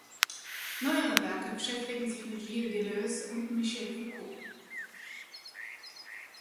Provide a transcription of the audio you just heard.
Neuere Werke beschäftigen sich mit Gilles Deleuze und Michel Foucault.